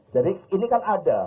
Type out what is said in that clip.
jadi ini kan ada